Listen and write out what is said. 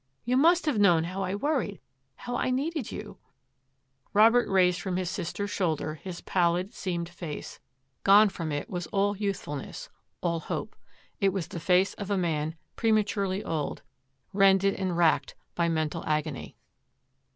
You must have known how I worried, how I needed you !'* Robert raised from his sister's shoulder his pal lid, seamed face; gone from it was all youthful ness, all hope; it was the face of a man prema turely old, rended and racked by mental agony.